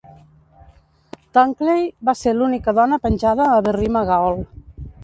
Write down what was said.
Dunkley va ser l'única dona penjada a Berrima Gaol.